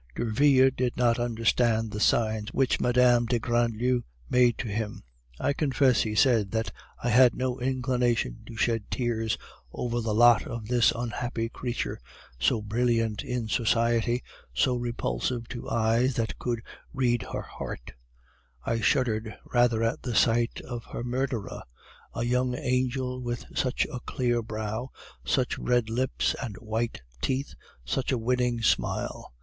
Derville did not understand the signs which Mme. de Grandlieu made to him. "I confess," he said, "that I had no inclination to shed tears over the lot of this unhappy creature, so brilliant in society, so repulsive to eyes that could read her heart; I shuddered rather at the sight of her murderer, a young angel with such a clear brow, such red lips and white teeth, such a winning smile.